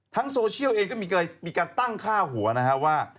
โซเชียลเองก็มีการตั้งค่าหัวนะครับว่า